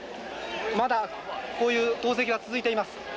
まだこういう投石が続いています